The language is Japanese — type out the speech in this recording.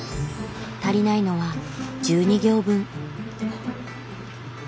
足りないのは１２行分。